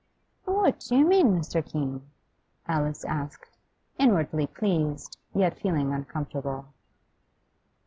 'What do you mean, Mr. Keene?' Alice asked, inwardly pleased, yet feeling uncomfortable.